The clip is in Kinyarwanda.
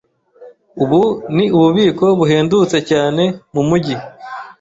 Ubu ni ububiko buhendutse cyane mumujyi.